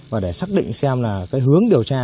và để xác định xem là cái hướng điều tra